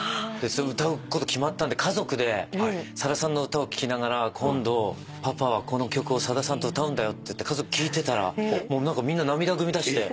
歌うこと決まったんで家族でさださんの歌を聞きながら今度パパはこの曲をさださんと歌うんだよって言って聞いてたらみんな涙ぐみだして。